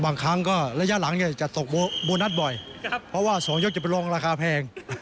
บางครั้งก็แล้วหลังจะตกโบนัสบ่อยเพราะว่า๒ยกจะไปร้องราคาแพง